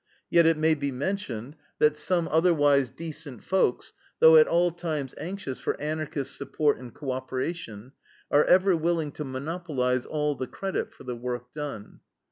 Yet it may be mentioned that some otherwise decent folks, though at all times anxious for Anarchist support and co operation, are ever willing to monopolize all the credit for the work done.